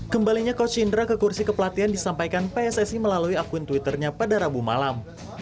kembalinya coach indra ke kursi kepelatihan disampaikan pssi melalui akun twitternya pada rabu malam